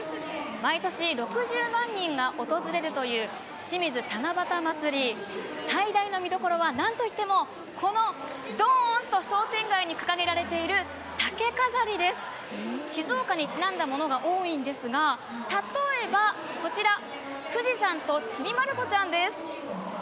毎年６０万人が訪れるという清水七夕まつり、最大の見どころはなんといっても、このドーンと商店街に掲げられている竹飾りです、静岡にちなんだものが多いんですが例えば、こちら、富士山とちびまる子ちゃんです。